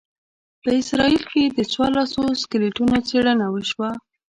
په اسرایل کې د څلوروسوو سکلیټونو څېړنه وشوه.